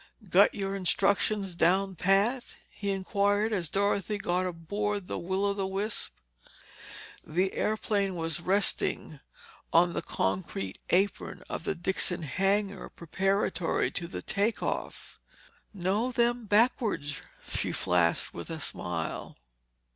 "Got your instructions down pat?" he inquired as Dorothy got aboard the Will o' the Wisp. The airplane was resting on the concrete apron of the Dixons' hangar, preparatory to the take off. "Know them backwards," she flashed with a smile.